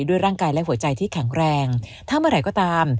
ด้วยร่างกายและหัวใจที่แข็งแรงถ้าเมื่อไหร่ก็ตาม